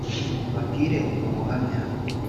ubabwire ubwo buhamya